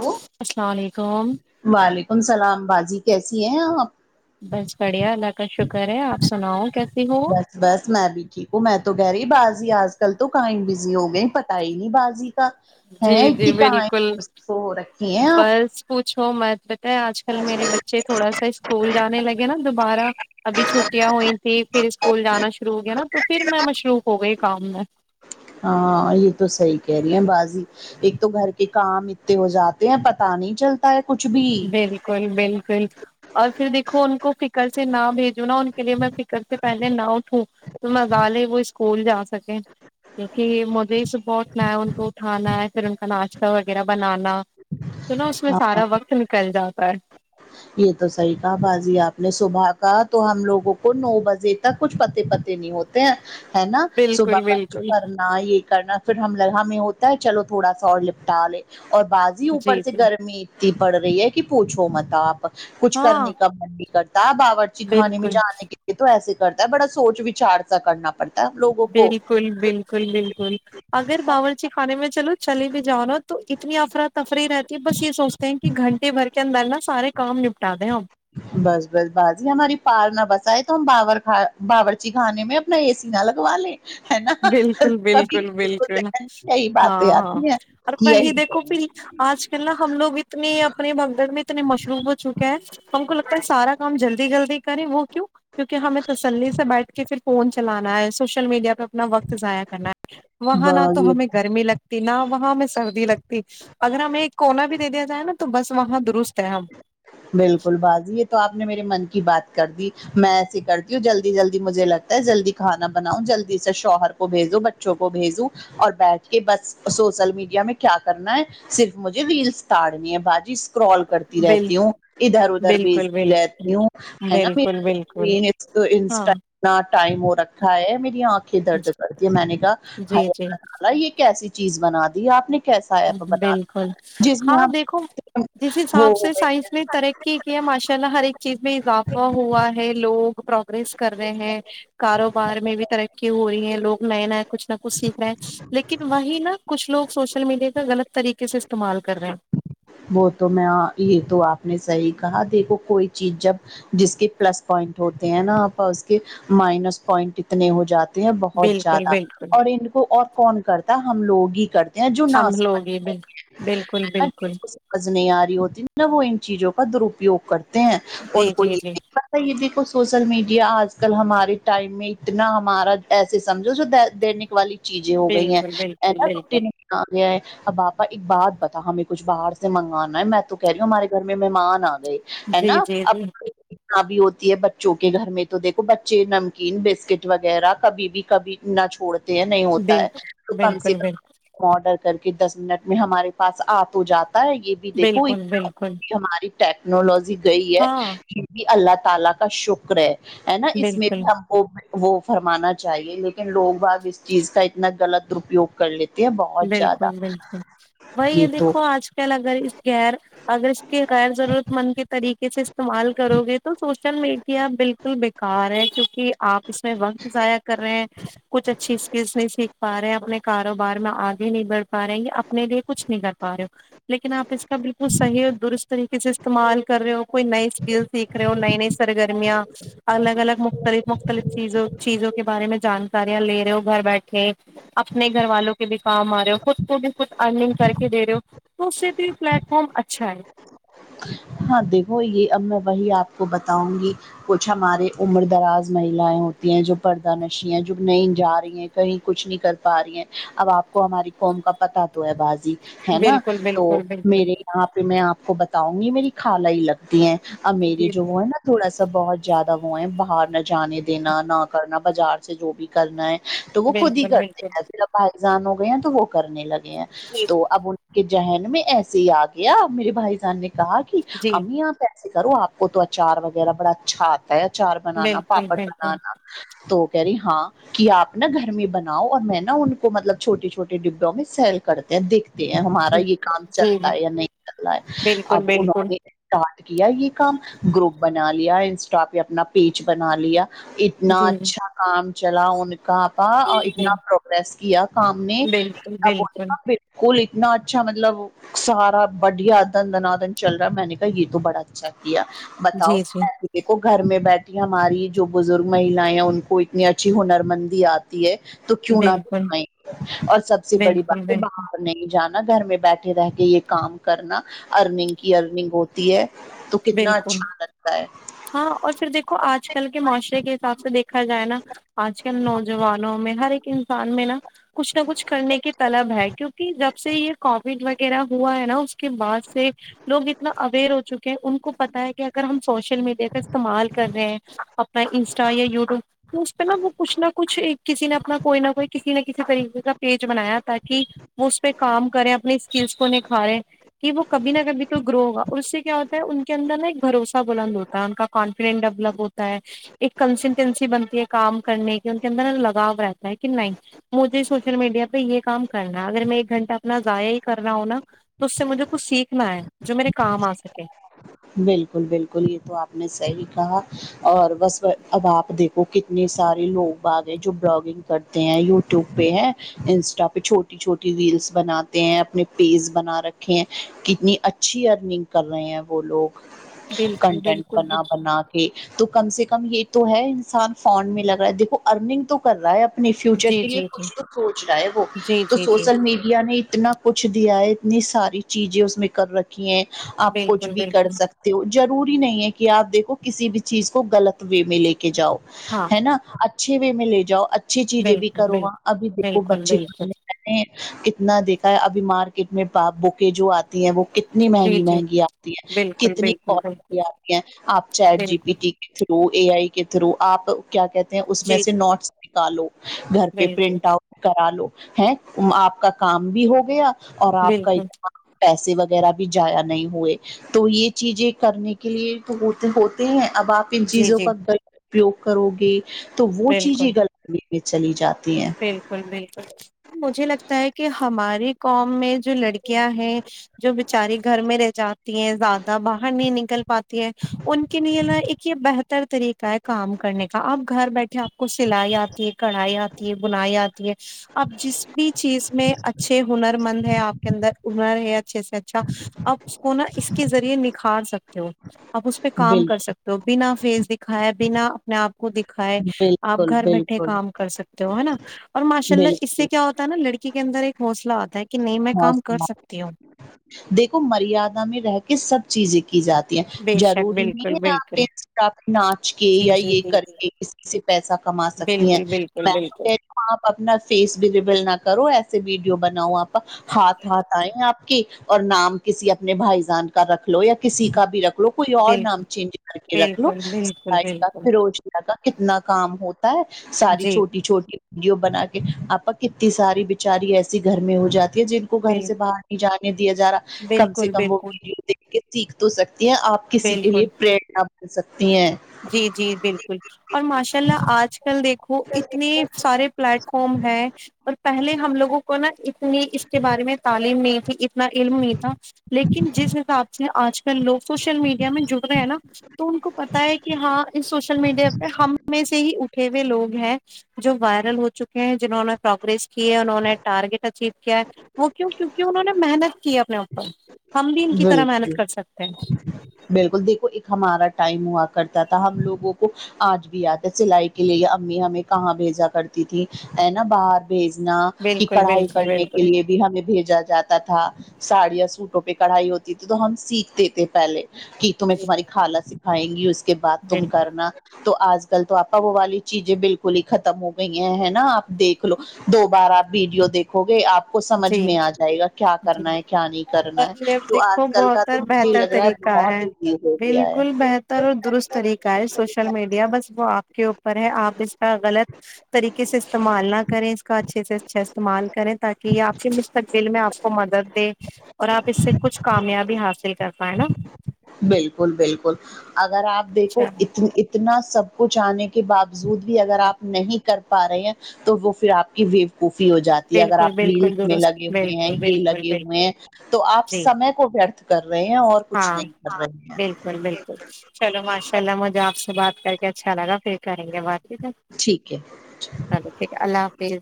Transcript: ہو السلام علیکم وعلیکم السلام باجی کیسی ہیں آپ بس بڑھیا اللہ کا شکر ہے آپ سناؤ کیسی ہو بس بس میں بھی ٹھیک ہوں میں تو گری ہی بازی آج کل تو کہیں بزی ہو گئی پتا ہی نہیں بازی جی ہے جی کی کہاں بالکل درست ہو رکھی ہیں آپ پوچھومت پتا ہے آج کل میرے بچے تھوڑا سا اسکول جانے لگے نا دوبارہ ابھی چھٹیاں ہوئی تھیں پھر اسکول جانا شروع ہو گیا نا تو پھر میں مشروف ہو گئی کام میں ہاں یہ تو صحیح کہہ رہی ہیں باجی ایک تو گھر کے کام اتتے ہو جاتے ہیں پتا نہیں چلتا ہے کچھ بھی بالکل بالکل اور پھر دیکھو ان کو فکر سے نہ بھیجوں نا ان کے لیے میں فکر سے پہلے نہ اٹھوں تو مزہ لے وہ اسکول جا سکے کیونکہ مجھے صبح اٹھنا ہے ان کو اٹھانا ہے پھر ان کا ناشتہ وغیرہ بنانا تو نا اس میں ہاں سارا وقت نکل جاتا ہے یہ تو صحیح کہا باجی آپ نے صبح کا تو ہم لوگوں کو نو بجے تک کچھ پتے پتے نہیں ہوتے پ ہے نا صبح بالکل [unintelligible] بالکل کرھرنا یہ کرنا پھر ہم لگو ہمیں ہوتا ہے چلو تھوڑا سا اور لپٹا لے اور بعض جی اوپر سے گرمی اتنی پڑ رہی ہے کہ پوچھو مت آپ کچھ ہاں کرنے کا من بھی کرتا ہے باورچی خانے میں بالکل جانے کے یہ تو ایسے کرتا ہے بڑا سوچ وچار کرنا پڑتا ہے ہم لوگوں کو بالکل بلکل بلکل بلکل کھانے میں چلو چلے بھی جانو تو اتنی افرا تفری رہتی ہے بس یہ سوچتے ہیں کہ گھنٹے بھر کے اندر نا سارے کام نپٹا دیں آپ بس بس بازی ہماری پارنا بسا آئے تو ہم باور باورچی خانے میں نا اے سی نا لگوا لے بالکل بالکل بالکل ذہن میں یہی باتیں ہاں ہاں آتی ہیں اور کہ وہی یہی دیکھو پھر آج کل نا ہم لوگ اتنے اپنے بگدڑ میں اتنے مشروب ہو چکے ہیں ہم کو لگتا ہے سارا کام جلدی جلدی کریں وہ کیوں کیوںکہ ہمیں تسلی سے بیٹھ کے پھر فون چلانا ہے سوشل میڈیا پہ اپنا وقت ضائع کرنا ہے وہاں نہ تو کریں یہ ہمیں گرمی لگتی نہ وہاں ہمیں سردی لگتی اگر ہمیں کونا بھی دے دیا جائے نا تو بس وہاں درست ہے ہم بالکل باجی یہ تو آپ نے میرے من کی بات کر دی میں ایسے کرتی ہوں جلدی جلدی مجھے لگ جلدی کھانا بناؤں جلدی سے شوہر کو بھیجو بچوں کو بھیجو اور بیٹھ کے بس سوشل میڈیا میں کیا کرنا ہے صرف مجھے ویلس تڑنی ہے باجی اسکرال کرتی بل رہتی ہوں ادھر ادھر بالکل بھیجتی بالکل رہتی ہوں ہے نا بالکل بالکل انسٹا ہاں اتنا ٹائم ہو رکھا ہے میری آنکھیں درد کرتی ہے میں نے کہا جی جی [unintelligible] یہ کیسی چیز بنا دی آپ نے کیسا ایپ بنا بالکل جس میں ہاں دیکھو آپ وہ ہو گئے ہیں ٹھیک ہے ماشاء اللہ ہر ایک چیز میں اضافہ ہوا ہے لوگ پروگریس کر رہے ہیں کاروبار میں بھی ترقی ہو رہی ہے لوگ نئے نئے کچھ نہ کچھ سیکھ رہے ہیں لیکن وہی نہا کچھ لوگ سوشل میڈیا کا غلط طریقے سے استعمال کر رہے ہیں وہ تو میں یہ تو آپ نے صحیح کہا دیکھو کوئی چیز جب جس کے پلس پوائنٹ ہوتے ہیں نا آ اس کے مائنس پوائنٹ اتنے ہو جاتے ہیں بہت بالکل زیادہ بالکل اور ان کو اور کون کرتا ہم لوگ ہی کرتے یہ جو ہم نس [inaudible] لوگ ہی بال بالکل بالکل نہیں آ رہی ہوتی نہ وہ ان چیزوں کا درپیوگ کرتے ہیں ان جی کو جی جی یہ یہ دیکھو سوشل میڈیا آج کل ہمارے ٹائم میں اتنا ہمارا ایسے سمجھو جو دینک والی چیزیں ہو گئی ہیں بالکل ہے بالکل نا بالکل روٹی ن آ گیا ہے اب آپا ایک بات بتاو ہمیں کچھ باہر سے منگانا ہے میں تو کہہ رہی ہوں ہمارے گھر میں مہمان آ گئے ہے جی نا جی جی اب ابی ہوتی ہے بچوں کے گھر میں تو دیکھو بچے نمکین بسکٹ وغیرہ کبھی بھی کبھی نہ چھوڑتے ہیں نہیں ہوتا ہے بالکل تو کم سے بالکل بالکل کم آرڈر کر کے دس منٹ میں ہمارے پاس آ تو جاتا ہے یہ بھی دیکھو بالکل بالکل ہماری ٹیکنالوجی گئی ہے ہاں کیوں کے اللہ تعالی کا شکر ہے ہے نا اس میں بالکل بھی ہم وہ وہ فرمانا چاہیے لیکن لوگ باز اس چیز کا اتنا غلط درپوگ کر لیتے ہیں بہت زیادہ بالکل بالکل وہی یہ تو دیکھو آج اگر اس غیر اگر اس کے غیر ضرورت مند کے طریقے سے استعمال کرو گے تو سو شل میڈیا بالکل بیکار ہے کیونکہ آپ اس میں وقت ضائع کر رہے ہیں کچھ اچھی اسکلس نہیں سیکھ پا رہے ہیں اپنے کاروبار میں آگے نہیں بڑھ پا رہے ہیں یا اپنے لیے کچھ نہیں کر پا رہے ہو لیکن آپ اس کا بالکل صحیح اور درست طریقے سے استعمال کر رہے ہو کوئی نئی اسکل سیکھ رہے ہو نئی نئی سرگرمیاں الگ الگ مختلف مختلف چیزوں چیزوں کے بارے میں جانکاریاں لے رہے ہو گھر بیٹھے اپنے گھر والوں کو بھی کام آ رہے ہو خود کو بھی کچھ ارنگ کر کے دے رہے ہو تو اس سے بھی یہ پلیٹ فارم اچھا ہے ہاں دیکھو یہ اب میں وہی آپ کو بتاؤں گی کچھ ہمارے عمر دراز محیلائیں ہوتی ہیں جو پردہ نشیا ہیں جو نہیں جا رہی ہیں کہیں کچھ نہیں کر پا رہی ہیں اب آپ کو ہماری قوم کا پتا تو ہے باجی ہے نا بالکل تو بالکل بالکل میرے یہاں پہ میں آپ کو بتاؤں گی میری خالہ ہی لگتی ہیں ا میری جی جو جی وہ ہے نا تھوڑا سا بہت زیادہ وہ ہے باہر نہ جانے دینا نہ کرنا بازار سے جو بھی کرنا ہے تو وہ خود ہی بالکل کرتے بالکل ہیں پ اب بائیزان ہو گئے ہیں تو وہ کرنے لگ تے ہے جی تو اب ان کے ذہن میں ایسے ہی آ گیا میرے بھائی جان نے کہا کہ جی امی آپ ایسے کرو آپ کو تو اچار وغیرہ بڑا اچھا ہےاچار بنانا بالکل پاپڑ بالکل بنانا تو کہہ رہی ہاں کہ آپ نا گھر میں بناؤ اور میں نا ان کو مطلب چھوٹے چھوٹے ڈبوں میں سیل کردیتی ہمارا جی یہ کام جی چلتا جی ہے یا نہیں چل رہا ہے بالکل اب بالکل انہوں نے اسٹارٹ کیا یہ کام گروپ بنا لیا انسٹا پہ اپنا پیج بنا لیا اتنا جی اچھا کام چلا ان کا جی اتنا پروگریس کیا سامنے بالکل بالکل [unintelligible] کول اتنا اچھا مطلب سارا بڑھیا دھن دنادن چل رہا ہے میں نے کہا یہ تو بڑا اچھا کیا بتاؤ جی جی دیکھو گھر میں بیٹھی ہماری جو بزرگ محلائی ان کو اتنی اچھی ہنر مندی آت ہے تو کیوں نہ بالکل دکھائیں گے اور سب سے بڑی بالکل بات ہے بالکل باہر نہیں جانا گھر میں بیٹھے رہ کے یہ کام کرنا ارننگ کی ارننگ ہوتی ہے تو کتنا بالکل اچھا لتا ہاں اور پھر دیکھو آج کل کے معاشرے کے حساب سے دیکھا جائے نا آج کل نوجوانوں میں ہر ایک انسان میں نا کچھ نہ کچھ کرنے کی طلب ہے کیونکہ جب سے یہ کووڈ وغیرہ ہوا ہے نا اس کے بعد سے لوگ اتنا اویئر ہو چکے ہیں ان کو پتا ہے کہ اگر ہم سوشل میڈیا کا استعمال کر رہے ہیں اپنا انسٹا یا یوٹیوب تو اس پہ نا وہ کچھ نہ کچھ ایک کسی نے اپنا کوئی نہ کوئی کسی نہ کسی طریقے کا پیج بنایا تاکہ کی وہ اس پہ کام کریں اپنی اسکلس کو نکھاریں کہ وہ کبھی نہ کبھی تو گرو ہوگا اس سے کیا ہوتا ہے ان کے اندر نا ایک بھروسہ بلند ہوتا ہے تا ان کا کانفیڈینس ڈیولپ ہوتا ہے ایک کنسیٹنسی بنتی ہے کام کرنے کی ان کے اندر لگاؤ رہتا ہے کہ نہی مجھے سوشل میڈیا پہ یہ کام کرنا ہے اگر میں ایک گھنٹہ اپنا ضایع ہی کر رہا ہوں نا تو اس سے مجھے کچھ سیکھنا ہے جو میرے کام آ سکے بالکل بالکل یہ تو آپ نے صحیح کہا اور بس اب آپ دیکھو کتنے سارے لوگ آگئے جو بلگنگ کرتے ہیں یوٹیوب پہ ہیں انسٹا پہ چھوٹی چھوٹی ریلس بناتے ہیں اپنے پیز بنا رکھے ہیں کتنی ا چھی ارننگ کر رہے ہیں وہ لوگ بالکل کنٹینٹ بالکل بنا بالکل بنا کے تو کم سے کم یہ تو ہے انسان فون میں لگا ہے دیکھو ارننگ تو کر رہا ہے اب اپنے فیوچر جی کے لیے جی کچھ جی تو سوچ رہا ہے وہ جی تو جی جی سوشل میڈیا نے اتنا کچھ دیا ہے اتنی ساری چیزیں اس میں کر رکھی ہیں آپ کچھ بالکل بھی کر بالکل سکتے ہو ضروری نہیں ہے کہ آپ دیکھو کسی بھی چیز کو غلط وے میں لے کے جاؤ ہاں ہے نا اچھے وے میں لے جاؤ اچھی چیزیں بھی بالکل کرو بالکل وہاں ابھی دیکھو بالکل بچے بالکل پڑھنے کتنا دیکھا ہے ابھی مارکیٹ میں با بکیں جو آتی ہیں وہ ک تنی جی مہنگی جی مہنگی آتی ہیں بالکل کتنی بالکل کالیں بالکل آتی ہیں آپ چیٹ جی پی بالکل ٹی کے تھرو اے آئی کے تھرو آپ کیا کہتے ہیں اس میں جی سے جی نوٹس نکالو گھر پہ بالکل پرنٹ آؤٹ کرا لو ہے آپ کا کام بھی ہو گیا اور آپ کا بالکل اس بار پیسے وغیرہ بھی جایا نہیں ہوئے تو یہ چیزیں کرنے کے لیے تو ہوتے ہیں اب آپ ان جی چیزوں جی کا پریوگ کرو گے تو وہ بالکل چیزیں گلی میں چلی جاتی ہیں بالکل بالکل مجھے لگتا ہے کہ ہماری قوم میں جو لڑکیاں ہیں جو بچاری گھر میں رہ جاتی ہیں زیادہ باہر نہیں نکل پاتی ہے ان کے لیے نا ایک یہ بہتر بہتر طریقہ ہے کام کرنے کا اب گھر بیٹھے آپ کو سلائی آتی ہے کڑھائی آتی ہے بنائی آتی ہے آپ جس بھی چیز میں ا چھے ہنر مند ہے آپ کے اندر ہنر ہے اچھے سے اچھا آپ اس کو نا اس کے ذریعے نکھار سکتے ہو آپ اس پہ کام بال کر سکتے ہو بنا فیز دکھائے بنا اپنے آپ کو دکھائے آپ بالکل گھر بیٹھے بالکل کام کر سک تے ہو ہے نا اور ماشاء اللہ اس بالکل سے کیا ہوتا ہے نا لڑکی کے اندر ایک حوصلہ آتا ہے کہ نہیں میں تو کام کر ہاں سکتی ہوں دیکھو مریادا میں رہ کے سب چیزیں کی جاتی ہیں بے شک ضروری نہیں بالکل ہے کہ بالکل آپ آپ ناچ کے جی یا جی یہ جی کر جی کے اسکلز سے پیسہ کما سکتی ہیں بالکل بالکل بالکل آپ اپنا فیس بھی رییل نہ کرو ایسے ویڈیو بناؤ آپ جی ہاتھ ہاتھ آئیں آپ کے اور نام کسی اپنے بھائی جان کا رکھ لو یا کسی کا بھی رکھ لو کوئی اور جی نام چینج کر کے رکھ لو بالکل بالکل بالکل صفائی کا بالکل [unintelligible] کا کتنا کام ہو تا ہے ہاں ساری جی چھوٹی چھوٹی ویڈیو بنا کے آپ کتنی ساری بچاری ایسی گھر میں ہو جاتی ہے جن کو گھر سے بالکل باہر نہیں جانے دیا جا رہا کم سے بالکل کم وہ بالکل ویڈیو دیکھ کے سیکھ تو سکتی ہیں آپ کسی کے لیے بالکل پریرنا مل سکتی ہیں جی جی بالکل اور ماشاء اللہ آج کل دیکھو اتنے سارے پلیٹ فارم ہیں اور پہلے ہم لوگوں کو نا اتنی اس کے بارے میں تعلیم نہیں تھی ان تنا علم نہیں تھا لیکن جس حساب سے آج کل لوگ سوشل میڈیا میں جڑ رہے ہیں نا تو ان کو پتا ہے کہ ہاں اس سوشل میڈیا پہ ہم میں سے ہی اٹھے ہوئے لوگ ہیں جو وائرل ہو چکے ہیں جنہوں نے پروگریس کی ہے انہوں نے ٹارگیٹ اچیو کیا وہ کیوں کیونک انہوں نے محنت کی ہے اپنے اوپر ہم بھی ان کی طرح محنت بالکل کر سکتے ہیں بالکل دیکھو ایک ہمارا ٹائم ہوا کرتا تھا ہم لوگوں کو آج بھی یاد ہے سلائی کے لیے امی ہمیں کہاں بھیجا کرتی تھی ہے نا باہر بھیجنا کہ بالکل کڑھائی بالکل کرنے کے بالکل لیے بھی ہمیں بھیجا جاتا تھا ساڑیا سوٹوں پہ کڑھائی ہوتی تھی تو ہم سیکھتے تھے پہلے کہ تمہیں تمہاری خالا سکھائیں گی کے بات تم بالکل کرنا تو آج کل تو آپ والی چیزیں بالکل ہی ختم ہو گئی ہیں نا آپ دیکھ لو دو بار آپ ویڈیو دیکھ ہو گے آپ کو جی سمجھ میں آ جائے گا کیا جی کرنا ہے کیا نہیں کرنا ہے تو دیکھو آج کل کا بہتر تو مجھے بہتر لگ رہا طریقہ بہت ہے ایزی ہو گیا ہے بالکل بہتر اور درست طریقہ ہے سوشل میڈیا بس وہ آپ کے اوپر ہے آپ اس کا غلط طریقے سے استعمال نہ کریں اس کا اچھے سے اچھا استعمال کریں تاکہ کہ آپ کے مستقبل میں آپ کو مدد دے اور آپ اس سے کچھ کامیابی حاصل کر پائیں نا بالکل بالکل اگر آپ دیکھو اچھا اتنی ات اتنا سب کچھ آنے کے باوجود بھی اگر آپ نہیں کر پا رہے ہیں تو وہ پھر آپ کی ویو کوفی ہو جاتی یہ اگر بالکل آپ ریلس بالکل میں درست لگے ہوئے ہیں بالکل یہ بالکل لگے بالکل ہوئے ہیں تو آپ جی سمے کو ورتھ کر رہے ہیں اور کچھ ہاں نہیں کر رہے بالکل ہیں چلو ماشاء اللہ مجھے آپ سے بات کر کے اچھا لگا پھر کریں گے بات ٹھیک ہے ٹھیک ہے چلو ٹھیک ہے اللہ حافظ